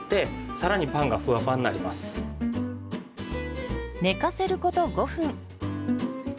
寝かせること５分。